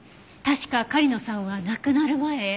確か狩野さんは亡くなる前。